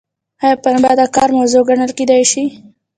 ایا پنبه د کار موضوع ګڼل کیدای شي؟